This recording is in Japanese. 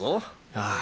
ああ。